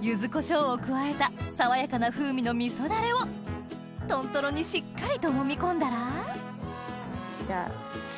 柚子こしょうを加えた爽やかな風味の味噌ダレを豚トロにしっかりともみ込んだらじゃあ。